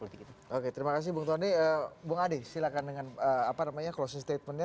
tapi semuanya closing statementnya